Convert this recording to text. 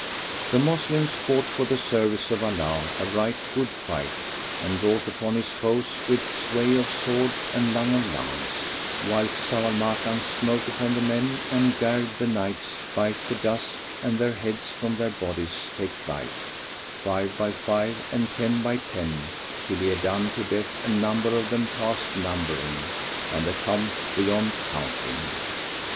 The Moslems fought for the service of Allah a right good fight, and wrought upon His foes with sway of sword and lunge of lance; whilst Zau al Makan smote upon the men and garred the knights bite the dust and their heads from their bodies take flight, five by five and ten by ten, till he had done to death a number of them past numbering and an accompt beyond counting.